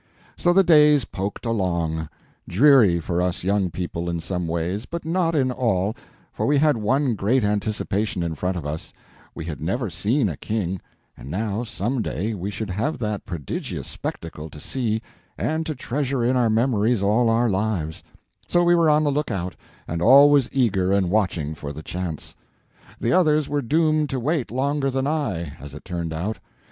So the days poked along; dreary for us young people in some ways, but not in all, for we had one great anticipation in front of us; we had never seen a king, and now some day we should have that prodigious spectacle to see and to treasure in our memories all our lives; so we were on the lookout, and always eager and watching for the chance. The others were doomed to wait longer than I, as it turned out.